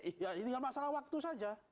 ya ini tinggal masalah waktu saja